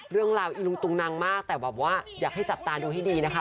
เราอีลุงตุงนังมากแต่แบบว่าอยากให้จับตาดูให้ดีนะคะ